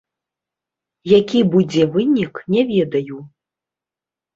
Які будзе вынік, не ведаю.